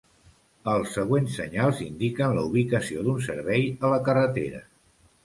Els següents senyals indiquen la ubicació d'un servei a la carretera.